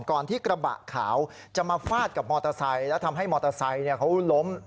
ที่กระบะขาวจะมาฟาดกับมอเตอร์ไซค์แล้วทำให้มอเตอร์ไซค์เขาล้ม